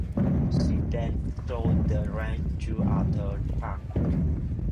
She then sold the ranch to Arthur Pack.